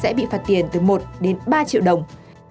sẽ bị phạt tiền từ một ba triệu đồng